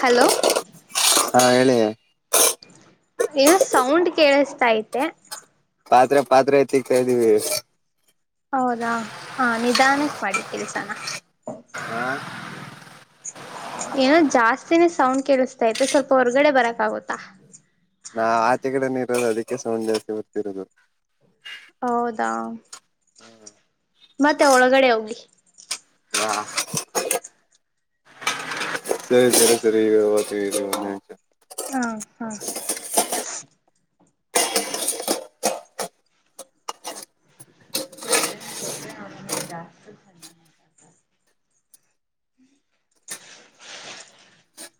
Hello ಹಾ ಹೇಳಿ ಏನೋ ಸೌಂಡ್ ಕೇಳಿಸತ ಐತೆ ಪಾತ್ರೆ ಪಾತ್ರೆ ತಿಗ್ತಾ ಇದೀವಿ ಹೌದಾ ಹ ನಿಧಾನಕ್ ಮಾಡಿ ಕೆಲ್ಸನ ಏನೋ ಜಾಸ್ತಿನೇ ಸೌಂಡ್ ಕೇಳಿಸ್ತೈತೆ ಸ್ವಲ್ಪ ಹೊರ್ಗಡೆ ಬರಕ್ ಆಗುತ್ತಾ. ನಾ ಆಚೆಕಡೆನ ಇರೋದು ಅದಕ್ಕೆ ಸೌಂಡ್ ಜಾಸ್ತಿ ಬರ್ತಿರೋದು. ಹೌದಾ ಮತ್ತೆ ಒಳಗಡೆ ಹೋಗಿ ಹಾ ಸರಿ ಸರಿ ಸರಿ ಓಕೆ ಇದು ಈಗ ಯವತ್ತ ಹಾ ಹಾ [unintelligible] [unintelligible] [unintelligible]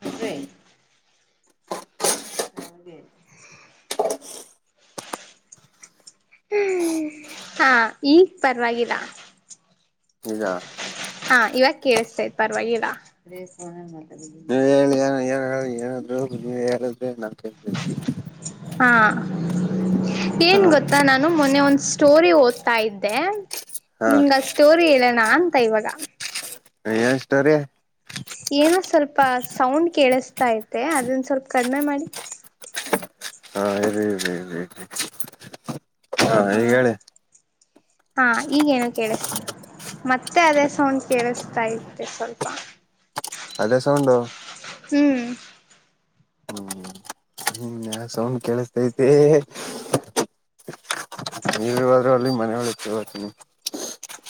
ಅವ್ವೆ ಅವಂದೇ ಹ್ಮ್ ಹಾ ಈಗ್ ಪರವಾಗಿಲ್ಲ. ಈಗಾ [unintelligible] ಹಾ ಇವಾಗ ಕೇಳಸ್ತಾತ್ ಪರ್ವಾಗಿಲ್ಲ [unintelligible] [unintelligible] ನೀ ಹೇಳಿ ಏನ ಏ ಹೇಳಿ ಏನಾದ್ರು [unintelligible] ನಾನ್ ಕೆ ಹಾ ಹಾ ಏನ್ ಗೊತ್ತಾ ನಾನು ಮೊನ್ನೆ ಒಂದ ಸ್ಟೋರಿ ಓದ್ತಾ ಇದ್ದೆ. ಹಾ ನಿಮ್ಗ ಆ ಸ್ಟೋರಿ ಹೇಳನ ಅಂತ ಇವಾಗ ಏನ್ ಸ್ಟೋರಿ. ಏನೋ ಸ್ವಲ್ಪ ಸೌಂಡ್ ಕೇಳಿಸತಾತೆ ಅದನ್ನ ಸ್ವಲ್ಪ ಕಡಿಮೆ ಮಾಡಿ. ಹಾ ಇದೆ ಇದೆ ಇದೆ. ಹ ಈ ಹೇಳಿ. ಹಾ ಈಗೇನು ಕೇಳಸ ಮತ್ತೆ ಅದೇ ಸೌಂಡ್ ಕೇಳಸತಾ ಐತೆ ಸ್ವಲ್ಪ. ಅದೇಶೌಂಡೋ ಹ್ಮ. ಏನೋ ಸೌಂಡ್ ಕೇಳಿಸತೈತೆ. ನೀವಾದ್ರರು ಅಲ್ಲಿ ಮನಳ [unintelligible]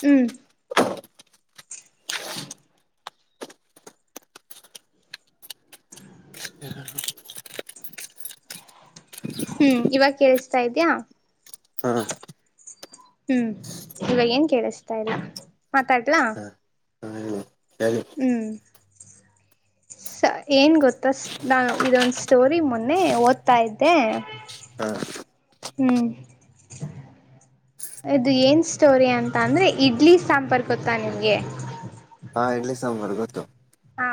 ಹ್ಮ. [inaudible] ಹ್ಮ ಇವಾಗ ಕೇಳಿಸತಾ ಇದ್ಯಾ. ಹಾ ಹಾ ಹ್ಮ ಇವಾಗ ಏನ್ ಕೇಳಸ್ತಾ ಇಲ್ಲ ಮಾತಾಡ್ಲಾ. ಹಾ ಹೇಳಿ ಹೇಳಿ ಹ್ಮ. [inaudible] ಏನ್ ಗೊತ್ತ ಸ ನಾ ಇದೊಂದ ಸ್ಟೋರಿ ಮೊನ್ನೆ ಓದ್ತಾ ಇದ್ದೆ. ಹ್ಮ್ [inaudible] ಇದ ಏನ್ ಸ್ಟೋರಿ ಅಂತ ಅಂದ್ರೆ ಇಡ್ಲಿ ಸಂಪರ್ ಗೊತ್ತಾ ನಿಮ್ಗೆ. ಆ ಇಡ್ಲಿ ಸಂವರ್ಗತ್ತು. ಹಾ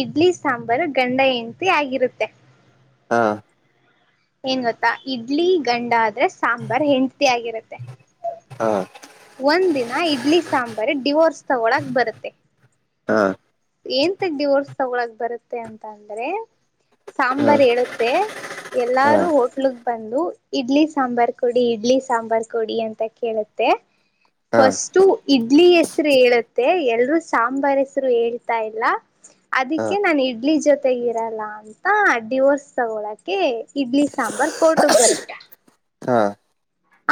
ಇಡ್ಲಿ ಸಾಂಬಾರ ಗಂಡ ಹೆಣ್ತಿ ಆಗಿರತ್ತೆ. ಹಾ ಏನ್ ಗೊತ್ತಾ ಇಡ್ಲಿ ಗಂಡ ಆದ್ರೆ ಸಾಂಬಾರ್ ಹೆಂಡತಿ ಆಗಿರತ್ತೆ. ಹಾ ಒಂದ ದಿನ ಇಡ್ಲಿ ಸಾಂಬಾರ್ ಡಿವೋರ್ಸ್ ತಗೊಳಕ್ ಬರತ್ತೆ. ಹಾ ಎಂತಗ ಡಿವರ್ಸ್ ತಗೊಳಕ ಬರುತ್ತೆ ಅಂತ ಅಂದ್ರೆ ಹಾ ಸಾಂಬಾರ್ ಹೇಳುತ್ತೆ. ಹಾ ಎಲ್ಲಾರೂ ಹೋಟ್ಲ್ಗ್ ಬಂದು ಇಡ್ಲಿ ಸಾಂಬಾರ್ ಕೊಡಿ ಇಡ್ಲಿ ಸಾಂಬಾರ್ ಕೊಡಿ ಅಂತ ಕೇಳತ್ ತ್ತೆ ಹಾ ಫಸ್ಟ್ ಇಡ್ಲಿ ಹೆಸರ ಹೇಳತ್ತೆ ಎಲ್ರೂ ಸಾಂಬಾರ್ ಹೆಸರು ಹೇಳ್ ಇಲ್ಲ ಹಾ ಅದಕ್ಕೆ ನಾನ್ ಇಡ್ಲಿ ಜೊತೆ ಇರಲ್ಲ. ಅಂತ ಡಿವೋರ್ಸ್ ತಗೊಳಕೆ ಇಡ್ಲಿ ಸಾಂಬಾರ್ ಕೋರ್ಟಗ್ ಬರತ್ತೆ. ಹಾ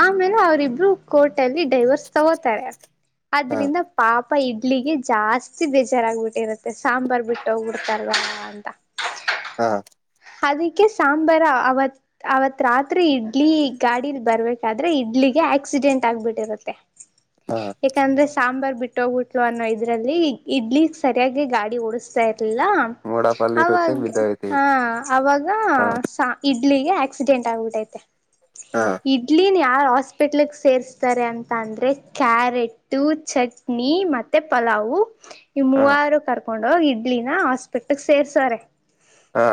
ಆಮೇಲೆ ಅವರಿಬ್ರು ಕೋರ್ಟಲ್ಲಿ ಡೈವೋರ್ಸ್ ತಗೋತಾರೆ. ಹಾ ಅದ್ರಿಂದ ಪಾಪ ಇಡ್ಲಿಗೆ ಜಾಸ್ತಿ ಬೇಜಾರಾಗಬಿಟ್ಟಿರತ್ತೆ ಸಾಂಬಾರ್ ಬಿಟ್ ಹೋಗಿ ಬಿಡ್ತಲ್ವಾ ಅಂತ. ಹಾ ಅದಕ್ಕೆ ಸಾಂಬಾರ ಅವತ್ ಅವತ್ ರಾತ್ರಿ ಇಡ್ಲಿ ಗಾಡಿಲಿ ಬರ್ಬೇಕಾದ್ರೆ ಇಡ್ಲಿಗೆ ಆಕ್ಸಿಡೆಂಟ್ ಆಗ್ಬಿಟ್ಟಿರತ್ತೆ. ಹಾ ಯಾಕಂದ್ರೆ ಸಾಂಬಾರ್ ಬಿಟ್ಟ ಹೋಗ್ಬಿಟ್ಲು ಅನ್ನೋ ಇದ್ರಲ್ಲಿ ಇಡ್ಲಿ ಸರಿಯಾಗಿ ಗಾಡಿ ಓಡಿಸ್ತಾ ಇರ್ಲಿಲ್ಲ. ಮೋಡಫಲ್ ಇರುತ್ತೆ ಅವಾಗ ಬಿದ್ದೋಯ್ತಿವಿ ಹಾ ಅವಾಗ ಹಾ ಸ ಇಡ್ಲಿಗೆ ಆಕ್ಸಿಡೆಂಟ್ ಆಗ್ಬಿಟ್ಟೈತೆ. ಹಾ ಇಡ್ಲಿನ ಯಾರ ಹಾಸ್ಪಿಟ್ಲ್ಕ್ ಸೇರ್ಸ್ತಾರೆ ಅಂತ ಅಂದ್ರೆ ಕ್ಯಾರೆಟು ಚಟ್ ನೀ ಮತ್ತೆ ಪಲಾವು. ಈ ಹಾ ಮೂವರ ಕರ್ಕೊಂಡ ಹೋಗಿ ಇಡ್ಲಿನ ಹಾಸ್ಪಿಟ್ಲ್ ಸೇರ್ಸಾರೆ. ಹಾ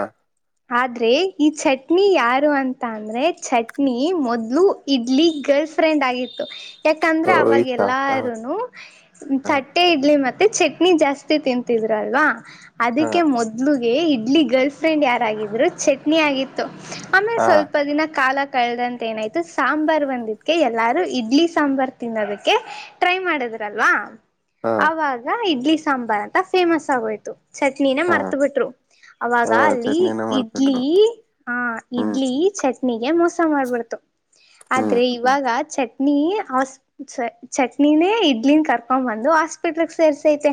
ಆದ್ರೆ ಈ ಚಟ್ನಿ ಯಾರು ಅಂತ ಅಂದ್ರೆ ಚಟ್ನಿ ಮೊದ್ಲು ಇಡ್ಲಿ ಗರ್ಲ್ ಫ್ರೆಂಡ್ ಆಗಿತ್ತು ಯಾಕಂದ್ರೆ ಅವಾಗ ಹೋಯ್ತ ಹಾ ಎಲ್ಲಾರೂನು ಹಾ ತಟ್ಟೆ ಇಡ್ಲಿ ಮತ್ತೆ ಚಟ್ನಿ ಜಾಸ್ತಿ ತಿಂತಿದ್ರ ಅಲ್ವಾ ಹಾ ಅದಕ್ಕೆ ಮೊದ್ಲು ಇಡ್ಲಿ ಗರ್ಲ್ ಫ್ರೆಂಡ್ ಯಾರಾಗಿದ್ರು ಚಟ್ನಿ ಆಗಿತ್ತು ಆಮೇಲೆ ಹಾ ಸ್ವಲ್ಪ ದಿನ ಕಾಲಕ್ ಕಳದಂತ ಏನಾಯ್ತು ಸಾಂಬಾರ್ ಬಂದಿದಕ್ಕೆ ಎಲ್ಲಾರು ಇಡ್ಲಿ ಸಾಂಬಾರ್ ತಿನ್ನೋದಕ್ಕೆ ಟ್ರೈ ಮಾಡಿದ್ರಲ್ವಾ ಹಾ ಅವಾಗ ಇಡ್ಲಿ ಸಾಂಬಾರ್ ಅಂತ ಫೇಮಸ್ ಆಗೋಯ್ತು. ಚಟ್ನಿನೇ ಹಾ ಮರ್ತ ಬಿಟ್ರು ಅವಾಗ ಹಾ ಅಲ್ಲಿ ಚಟ್ನಿನ ಇಡ್ಲಿ ಮರ್ತ್ಬಿಟ್ರು ಹ ಹ್ಮ್ ಇಡ್ಲಿ ಚಟ್ನಿಗೆ ಮೋಸ ಮಾಡ್ಬಿಡ್ತು [inaudible] ಹ್ಮ್ ಆದ್ರೆ ಇವಾಗ ಚಟ್ನಿ ನೀ ಹಸ್ ಚಟ್ನಿನೇ ಇಡ್ಲಿನ ಕರ್ಕೊಬಂದು ಹಾಸ್ಪಿಟ್ಲಿಗೆ ಸೇರ್ರಿಸೈತೆ.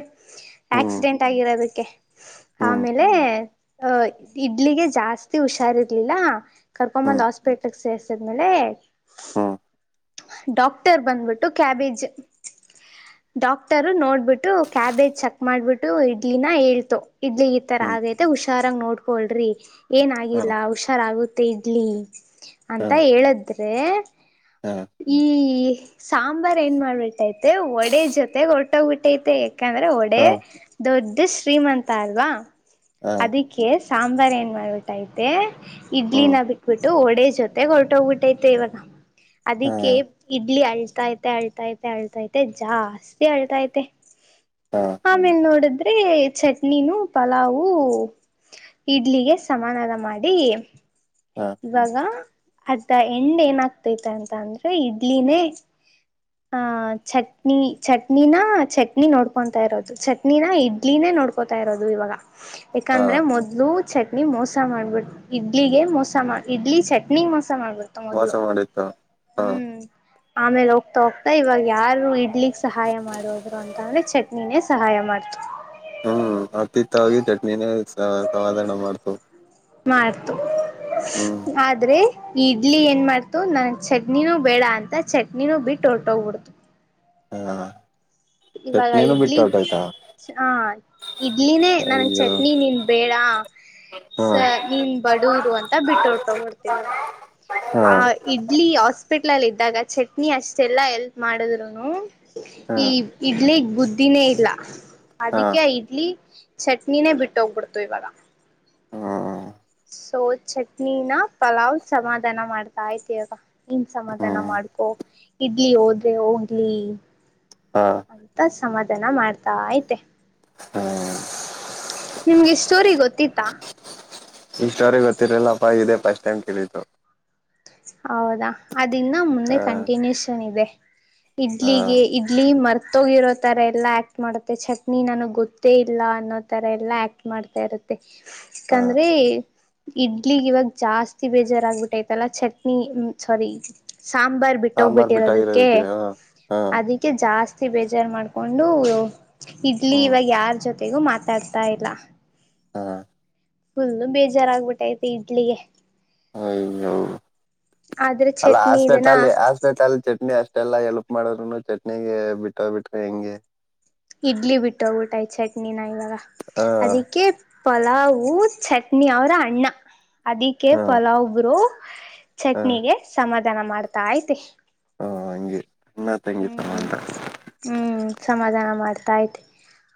ಹ್ಮ್ ಆಕ್ಸಿಡೆಂಟ್ ಆಗಿರೋದಕ್ಕೆ [inaudible] ಹ್ಮ್ ಆಮೇಲೆ ಅಹ ಇಡ್ಲಿಗೆ ಜಾಸ್ತಿ ಹುಷಾರಿರ್ಲಿಲ್ಲ? ಕರ್ಕೊಂಡ್ ಬಂದ್ ಹ್ಮ್ ಬಂದ್ ಹಾಸ್ಪಿಟ್ಲ್ಕ್ ಸೇರ್ಸಿದ್ಮೇಲೆ ಹ್ಮ್ ಡಾಕ್ಟರ್ ಬಂದ್ಬಿಟ್ಟು ಕ್ಯಾಬೇಜ್ [inaudible] ಡಾಕ್ಟರು ನೋಡ್ಬಿಟ್ಟು ಕ್ಯಾಬೇಜ್ ಚೆಕ್ ಮಾಡ್ಬಿಟ್ಟು ಇಡ್ಲಿನ ಹೇಳ್ತು ಇಡ್ಲಿ ಈ ತರ ಹ್ಮ್ ಆಗೈತೆ ಹುಷಾರಾಗಿ ನೋಡ್ಕೊಳ್ರಿ. ಅಂತಾ ಹಾ ಏನಾಗಿಲ್ಲ ಹುಷಾರಾಗುತ್ತೆ ಇಡ್ಲಿ ಹಾ ಅಂತ ಹೇಳದ್ರೆ.. ಹಾ ಈ ಸಾಂಬಾರ್ ಏನ್ ಮಾಡ್ಬಿಟ್ಟೈತೆ ಒಡೆ ಜೊತೆಗ್ ಹೊಟ್ಟೋಗ್ಬಿಟ್ಟೈತೆ. ಯಾಕಂದ್ರೆ ಒಡೆ ಹಾ ದೊಡ್ಡ ಶ್ರೀಮಂತ ಅಲ್ವಾ ಹಾ ಅದಕ್ಕೆ ಅದಕ್ಕೆ ಸಾಂಬಾರ್ ಏನ್ ಮಾಡಬಿಟ್ಟೈತೆ. ಹ್ಮ್ ಇಡ್ಲಿನ ಬಿಟ್ಟು ವಡೆ ಜೊತೆಗ್ ಹೊರ್ಟೋಗ್ಬಿಟ್ಟೈತೆ ಇವಾಗ. ಹಾ ಅದಕ್ಕೆ ಇಡ್ಲಿ ಅಳ್ತೈತೆ ಅಳ್ತೈತೆ ಅಳ್ತೈತೆ ಜಾಸ್ತಿ ಅಳ್ತೈತೆ. ಹಾ ಆಮೇಲ್ ನೋಡುದ್ರೆ ಚಟ್ನಿನೂ ಪಲಾವು- ಇಡ್ಲಿಗೆ ಸಮಾಧಾನ ಮಾಡಿ. ಹಾ ಇವಾಗ ಅರ್ಧ ಎಂಡ್ ಏನಾಗ್ತೈತಂತ ಅಂದ್ರೆ ಇಡ್ಲಿನೇ [inaudible] ಆ ಚಟ್ನಿ ಚಟ್ನಿನಾ ಚಟ್ನಿ ನೋಡ್ಕೊಂತಾಯಿರೋದು ಚಟ್ನಿನ ಇಡ್ಲಿನೇ ನೋಡ್ಕ್ ಕೋತಾಯಿರೋದು ಇವಾಗ [inaudible] ಯಾಕಂದ್ರೆ ಮೊದ್ಲು ಚಟ್ನಿ ಮೋಸ ಮಾಡ್ಬಿಡ್ತ್ ಇಡ್ಲಿಗೆ ಮೋಸ ಸಮ ಇಡ್ಲಿ ಚಟ್ನಿಗ್ ಮೋಸ ಮಾಡ್ಬಿಡ್ತು ಮೋಸ ಮೊದ್ಲು ಮಾಡಿತ್ತು ಹಾ ಹ್ಮ್. ಆಮೇಲ್ ಹೋಗ್ತಾ ಹೋಗ್ತಾ ಇವಾಗ್ಯಾರು ಇಡ್ಲಿಗ್ ಸಹಾಯ ಮಾಡೋದ್ರು ಅಂತ ಅಂದ್ರೆ ಚಟ್ನಿನೇ ಸಹಾಯ ಮಾಡ್ತು. ಹ್ಮ್ ಅತ್ತಿತ್ತವಾಗಿ ಚಟ್ನಿನೇ ಸಮಧಾನ ಮಾಡ್ತು ಮಾಡ್ತು ಹ್ಮ್ [unintelligible] ಆದ್ರೆ ಇಡ್ಲಿ ಏನ್ ಮಾಡ್ತು ನನ್ ಚಟ್ನಿನೂ ಬೇಡ ಅಂತ ಚಟ್ನಿನೂ ಬಿಟ್ಟು ಹೊರ್ಟೋಗ್ಬಿಡ್ತು. ಹ್ಮ್ ಇವಾಗ ಇಡ್ಲಿ ಗೆ ಹ ಇಡ್ಲಿನೇ ನನಗ್ ಅಯ್ಯೋ ಚಟ್ನಿ ನೀನ್ ಬೇಡ ಹಾ ಸ ನೀನ್ ಬಡೂರು ಅಂತ ಬಿಟ್ಟ ಹೊರಟಗ ಬಿಟ್ಟತ್ತ ಇವಾಗ್ ಹಾ ಆ ಇಡ್ಲಿ ಹಾಸ್ಪಿಟ್ಲಲ್ಲಿ ಇದ್ದಾಗ ಚಟ್ನಿ ಅಷ್ಟೆಲ್ಲಾ ಎಲ್ಪ್ ಮಾಡಿದ್ರುನು. ಹಾ ಈ ಇಡ್ಲಿಗ್ ಬುದ್ದಿನೇ ಇಲ್ಲ ಹಾ ಅದಕ್ಕೆ ಇಡ್ಲಿ ಚಟ್ನಿನೇ ಬಿಟ್ಟ ಹೋಗ್ಬಿಡ್ತು ಇವಾಗ ಹ್ಮ್ ಸೊ ಚಟ್ನಿನ ಪಲಾವ್ ಸಮಾಧಾನ ಮಾಡ್ತಾ ಆಯಿತೇ ಇವಾಗ ನಿನ್ ಸಮಾಧಾನ ಹ್ಮ್ ಮಾಡ್ಕೊ ಇಡ್ಲಿ ಹೋದ್ರೆ ಹೋಗ್ಲಿ ಹಾಂ ಅಂತ ಸಮಾಧಾನ ಮಾಡ್ತಾ ಐತೆ ಹ್ಮ್ ನಿಮ್ಗೆಷ್ಟೋರಿ ಗೊತ್ತಿತ್ತಾ ಈ ಸ್ಟೋರಿ ಗೊತ್ತಿರಲ್ಲಪ್ಪಾ ಇದೇ ಫಸ್ಟ್ ಟೈಮ್ ಕೇಳಿತು ಹೌದಾ ಅದ್ ಇನ್ನ ಹ ಮುಂದೆ ಕಂಟಿನ್ಯೂಷನ್ ಇದೆ ಹಾ ಇಡ್ಲಿಗೆ ಇಡ್ಲಿ ಮರ್ತೋಗಿರೋ ತರ ಎಲ್ಲಾ ಆಕ್ಟ್ ಮಾಡುತ್ತೆ ಚಟ್ನಿ ನನಗೆ ಗೊತ್ತೇ ಇಲ್ಲ ಅನ್ನೋ ತರ ಎಲ್ಲ ಆಕ್ಟ್ ಮಾಡ್ತಾ ಇರುತ್ತೆ ಹಾ ಯಾಕಂದ್ರೆ ಇಡ್ಲಿಗ್ ಇವಾಗ ಜಾಸ್ತಿ ಬೇಜಾರಾಗ ಬಿಟ್ಟೈತಲ್ಲ ಚಟ್ ನೀ ಸಾರಿ ಸಾಂಬಾರ್ ಸಾಂಬಾರ್ ಬಿಟ್ಟೋಗ್ಬಿಟ್ಟಿರೋದಕ್ಕೆ ಬಿಟ್ಟಾಗಿರೋದಕ್ಕಿದೆ ಹ ಹಾ ಅದಕ್ ಜಾಸ್ತಿ ಬೇಜಾರ್ ಮಾಡ್ಕೊಂಡು ಇಡ್ಲಿ ಹ್ಮ್ ಇವಾಗ ಯಾರ ಜೊತೆ [unintelligible] ಮಾತಾಡ್ತಾ ಇಲ್ಲ ಹಾಂ ಫುಲ್ ಬೇಜಾರ್ ಅಗ್ಬಿಟ್ಟೈತಿ ಇಡ್ಲಿಗೆ ಅಯ್ಯೋ ಆದ್ರೆ ಅಲ್ಲ ಚಟ್ನಿ ಇದನ್ನ ಹಾಸ್ಪೆಟಲ್ಲಿ ಹಾಸ್ಪೆಟಲ್ ಚಟ್ನಿ ಅಷ್ಟೇ ಇಷ್ಟ್ ಎಲ್ಲಾ ಹೇಲ್ಪ್ ಮಾಡ್ರು ಚಟ್ನಿಗೆ ಬಿಟ್ಟೋ ಬಿಟ್ರ ಹೆಂಗೆ ಇಡ್ಲಿ ಬಿಟ್ಟ ಹೋಗ್ಬಿಟೋಬಿಟ್ಯಿತ್ ಚಟ್ನಿನ ಇವಾಗ ಹಾ ಅದಿಕ್ಕೆ ಪಲಾವ್ ಚಟ್ನಿ ಅವ್ರ ಅಣ್ಣ ಅದಿಕ್ಕೆ ಹಾ ಪಲಾವ್ರು ಹಾ ಚಟ್ನಿಗೆ ಸಮಾಧಾನ ಮಾಡ್ತಾ ಐತೆ ಹಾ ಹಂಗೆ ಅಣ್ಣ ತಂಗಿ ತರ ಹ್ಮ್ ಅಂತ ಹ್ಮ್ ಸಮಾಧಾನ ಮಾಡ್ತಾ ಐತೆ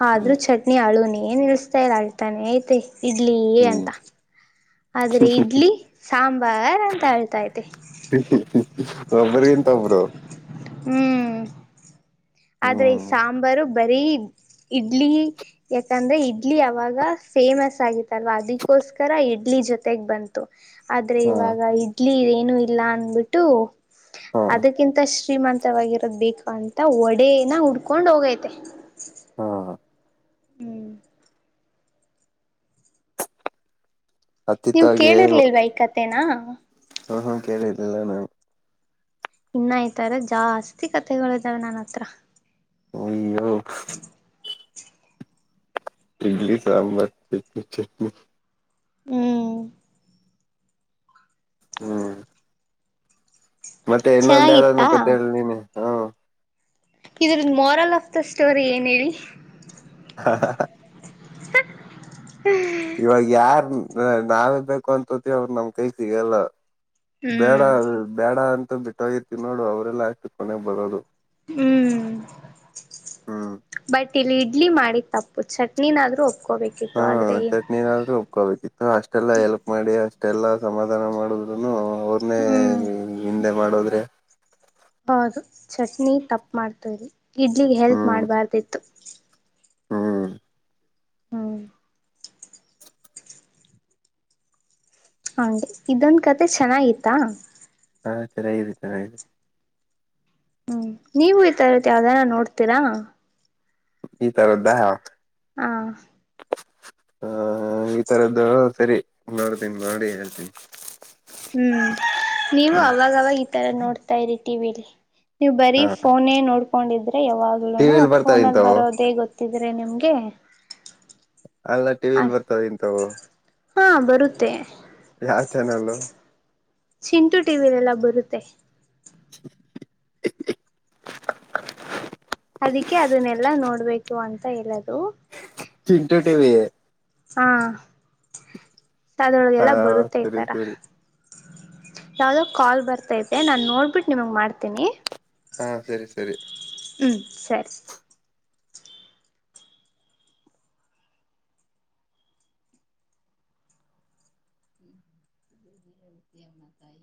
ಆದ್ರೂ ಹ್ಮ್ ಚಟ್ನಿ ಅಳುನೇ ನಿಲ್ಸಿತಾಯಿಲ್ಲ ಅಳ್ ತಾನ್ ಐತೆ ಇಡ್ಲಿ ಹ್ಮ್ ಅಂತ ಆದ್ರೆ ಇಡ್ಲಿ ಸಾಂಬಾರ್ ಅಂತ ಹೇಳ್ತೈತೆ ಒಬ್ಬ್ರಗ್ ಎಂತ ಒಬ್ರು ಹ್ಮ್ ಆದ್ರೆ ಈ ಹ್ಮ್ ಸಾಂಬಾರು ಬರೀ ಇಡ್ಲಿ ಯಾಕಂದ್ರೆ ಇಡ್ಲಿ ಅವಾಗ ಫೇಮಸ್ ಆಗತ್ತಲ್ವಾ ಅದಕ್ಕೋಸ್ಕರ ಇಡ್ಲಿ ಜೊತೆಗ್ ಬಂತ್ ಆದ್ರೆ ಹಾ ಇವಾಗ ಇಡ್ಲಿ ಏನು ಇಲ್ಲ ಅಂದಬಿಟ್ಟು ಹಾ ಅದಕ್ಕಿಂತಷ್ಟ. ಶ್ರೀಮಂತವಾಗಿರೋದ ಬೇಕು ಅಂತ ಒಡೆನ ಉುಡ್ಕೊಂಡ್ ಹೋಗೈತೆ ಹಾಂ ಹಾಂ ಹ್ಮ್ ನೀವು ಹತ್ತಿತ್ತಾಗೆ ಕೇಳಿರ್ಲಿಲ್ವ ಈ ಕತೇನಾ ಅಂ ಹಾ ಕೇಳಿಲಿರ್ಲ ನಾನು ಇನ್ನ ಇತರ ಜಾಸ್ತಿ ಕತೆಗಳು ಇದಾವೆ ನನ್ನ ಹತ್ರ ಅಯ್ಯೋ ಇಡ್ಲಿ ಸಾಂಬಾರ್ ಚಟ್ನ ಚಟ್ನಿ ಹ್ಮ್ ಹ್ಮ್ ಮತ್ತೆ ಇನ್ನೊಂದು ಯಾರ ಚೆನ್ನಾಗಿತ್ತಾ ಕತ್ತ ಹೇಳಿ ನೀನೆ ಹ್ಮ್ ಇದ್ರ ಮಾರಲ್ ಆಫ್ ದ ಸ್ಟೋರಿ ಏನ್ ಹೇಳಿ ಹ ಇವಾಗ ಯಾರ್ ನಾವೇ ಬೇಕು ಅಂತ ನಮ್ ಕೈ ಸಿಗಲ್ಲ ಬೇಡ ಹ್ಮ್ ಬೇಡ ಅಂತ ಬಿಟ್ಟೋಗಿರ್ತಿವಿ ನೋಡು ಅವರೆಲ್ಲಾ ಅಷ್ಟು ಕೊನೆ ಬರೋದು ಹ್ಮ್ ಹ್ಮ್ ಬಟ್ ಇಲ್ಲಿ ಇಡ್ಲಿ ಮಾಡಿ ತಪ್ಪು ಚಟ್ನಿನಾದ್ರೂ ಒಪ್ಕೋಬೇಕು ಹಾ ಚಟ್ನಿನಾದ್ರು ೋಬೇಕಿತ್ತು ಅಷ್ಟೆಲ್ಲಾ ಎಲ್ಪ್ ಮಾಡಿ ಅಷ್ಟೆಲ್ಲ ಸಮಾಧಾನ ಮಾಡುದ್ನು ಅವ್ರನ್ನೇ ಹ್ಮ್ ಹಿಂದೆ ಮಾಡೋದ್ರೆ ಹೌದು ಚಟ್ನಿ ತಪ್ಪು ಮಾಡ್ತು ಇಲ್ಲಿ ಇಡ್ಲಿಗೆ ಹೆಲ್ಪ್ ಹ್ಮ್ ಮಾಡಬಾರ್ದಿತ್ತು ಹ್ಮ್ ಹೌ ಹನ್ ಇದೊಂದ ಕತೆೆ ಚೆನ್ನಾಗಿತ್ತಾ ಹಾ ಸರಿ ಆಐದೆ ಚೆರಿ ಹ್ಮ್ ನೀವು ಈತರತಿ ಯಾವ್ದಾರ ನೋಡ್ತೀರಾ ಈ ತರದ್ದಾ ಹಾ ಹ ಈ ತರದ್ದ ಸರಿ ನೋಡ್ತೀನಿ ನೋಡಿ ಹೇಳ್ತೀನಿ ಹ್ಮ್ ನೀವು ಹ್ಮ್ ಅವಾಗವಾಗ ಈ ತರ ನೋಡ್ತಾ ಇರಿ ಟಿ ವಿಲ್ಲಿ ನೀವು್ ಬರೀ ಹ ಫೋನೇ ನೋಡ್ಕೊಂಡಿದ್ರೆ ಯಾವಾಗ್ಲೂನು ಟಿವಿಲ್ ಫೋನ ಬರ್ತಾವ ಅಲ್ಲಿ ಇಂತವು ಬರೋದೇ ಗೊತ್ತ ಹತ್ತಿದ್ರೆ ನಿಮ್ಗೆ ಅಲ್ಲ ಟಿವ ವಿಲ್ ಆ ಬರ್ತಾವ ಇಂತವು ಹಾ ಬರುತ್ತೆ ಯಾವ ಚಾನಲ್ ಚಿಂಟು ಟಿವಲೆಲ್ಲ ಬರುತ್ತೆ [unintelligible] ಅದಕ್ಕೆ ಅದನ್ನೆಲ್ಲಾ ನೋಡ್ಬೇಕು ಅಂತ ಹೇಳದು ಚಿಟ ಿವ ಹಾ ಹಾ ಅದೊಳಗೆಲ್ಲ ಬರುತ್ತ ಸರಿ ಇದತಾರ ಸರಿ ಯಾವು್ದೋ ಕಾಲ್ ಬರ್ತೈತೆ ನಾನು ನೋಡಿಬಿಟ್ಟು ನಿಮಗೆ ಮಾಡ್ತೀನಿ ಹಾ ಸರಿ ಸರಿ ಹೂ ಸರಿ ಿಯಮ್ಮತಾಯ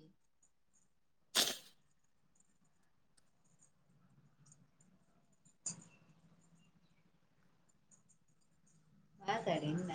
ಹಾ ಸರಿಯಿಂದ